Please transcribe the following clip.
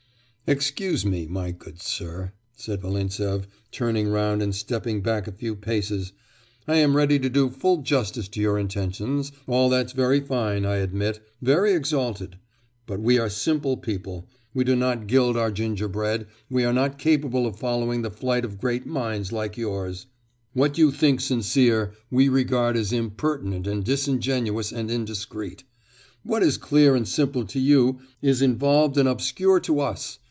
'Excuse me, my good sir,' said Volintsev, turning round and stepping back a few paces, 'I am ready to do full justice to your intentions, all that's very fine, I admit, very exalted, but we are simple people, we do not gild our gingerbread, we are not capable of following the flight of great minds like yours.... What you think sincere, we regard as impertinent and disingenuous and indiscreet.... What is clear and simple to you, is involved and obscure to us....